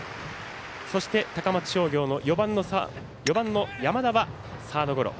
そして、高松商業４番の山田はサードゴロ。